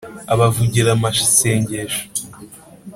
abavugira amasengesho.